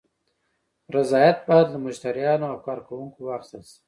رضایت باید له مشتریانو او کارکوونکو واخیستل شي.